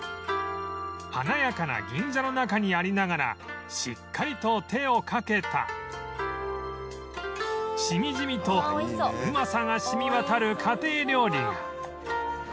華やかな銀座の中にありながらしっかりと手をかけたしみじみとうまさが染み渡る家庭料理が